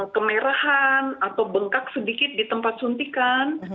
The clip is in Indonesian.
kemerahan atau bengkak sedikit di tempat suntikan